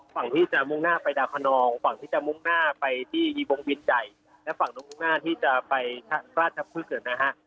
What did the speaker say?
ฝั่งที่จะมุ่งหน้าไปดาคอนองฝั่งที่จะมุ่งหน้าไปที่บงวิจัยและฝั่งที่จะไปราชพฤกษ์นะฮะ